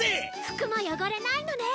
服も汚れないのね